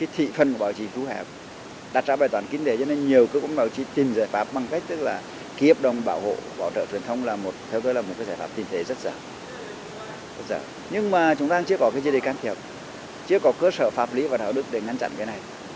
thực tế rất dở nhưng mà chúng ta chưa có cái gì để can thiệp chưa có cơ sở pháp lý và đạo đức để ngăn chặn cái này